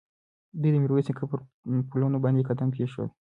دوی د میرویس نیکه پر پلونو باندې قدم کېښود.